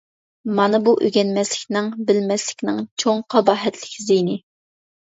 مانا بۇ ئۆگەنمەسلىكنىڭ، بىلمەسلىكنىڭ چوڭ-قاباھەتلىك زىيىنى.